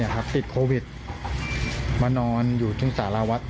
พักติดโควิดมานอนอยู่ที่ศาลาวัด